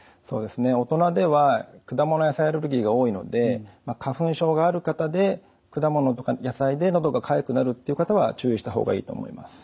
大人では果物・野菜アレルギーが多いので花粉症がある方で果物とか野菜でのどがかゆくなるっていう方は注意したほうがいいと思います。